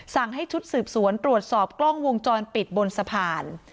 สั่งให้ชุดสืบสวนตรวจสอบกล้องวงจรปิดบนสะพาน